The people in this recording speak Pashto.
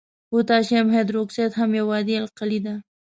پوتاشیم هایدروکساید هم یو عادي القلي ده.